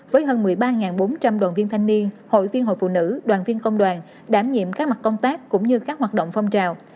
với hơn một mươi ba bốn trăm linh đoàn viên thanh niên hội viên hội phụ nữ đoàn viên công đoàn đảm nhiệm các mặt công tác cũng như các hoạt động phong trào